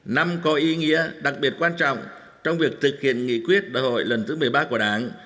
năm có ý nghĩa đặc biệt quan trọng trong việc thực hiện nghị quyết đại hội lần thứ một mươi ba của đảng